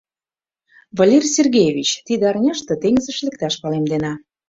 — Валерий Сергеевич, тиде арняште теҥызыш лекташ палемдена.